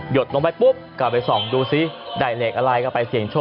ดลงไปปุ๊บก็ไปส่องดูซิได้เลขอะไรก็ไปเสี่ยงโชค